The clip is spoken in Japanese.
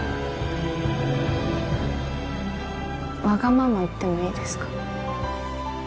わがまま言ってもいいですか？